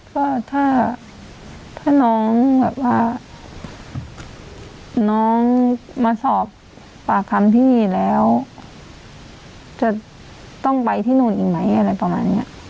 ก็ถ้าน้องแบบว่าน้องมาสอบปากคำที่นี่แล้วจะต้องไปที่นู่นอีกไหมอะไรประมาณนี้